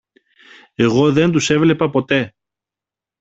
Εγώ δεν τους έβλεπα ποτέ.